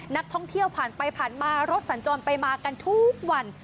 นักท่องเที่ยวผ่านไปผ่านมารถสัญจรไปมากันทุกวัน